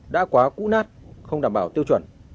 đã quá cũ nát không đảm bảo tiêu chuẩn